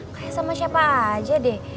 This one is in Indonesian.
kayak sama siapa aja deh